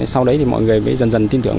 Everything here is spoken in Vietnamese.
sau đấy thì mọi người mới dần dần tin tưởng